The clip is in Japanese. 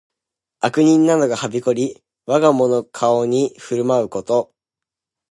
悪人などがはびこり、我がもの顔に振る舞うこと。